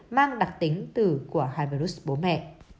mang đặc tính từ của hai virus bố mẹ